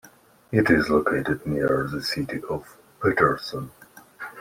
It is located near the city of Paterson.